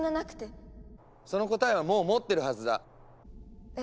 その答えはもう持ってるはずだ。え？